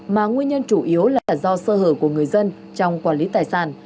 mà nguyên nhân chủ yếu là do sơ hở của người dân trong quản lý tài sản